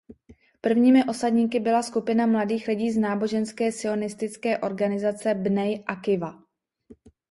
Prvními osadníky byla skupina mladých lidí z náboženské sionistické organizace Bnej Akiva.